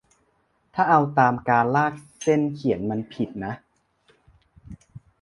ถ้าเอาตามการลากเส้นเขียน มันผิดนะ